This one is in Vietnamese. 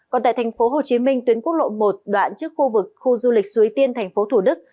còn tại thành phố hồ chí minh tuyến quốc lộ một đoạn trước khu vực khu du lịch suối tiên tp thủ đức